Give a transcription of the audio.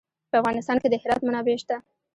په افغانستان کې د هرات منابع شته.